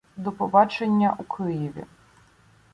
До побачення у Києві.